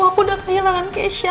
aku udah kehilangan keisha